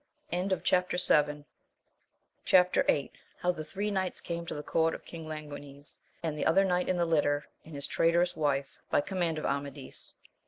Chap. Vlll. — How the three Knights came to the Court of King Langnines, and the other Knight in the litter, and his trai terous Wife, hy coramand of Amadis.